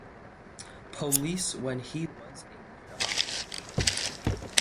Police when he was a mere officer.